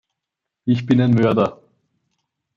Ich bin ein Mörder.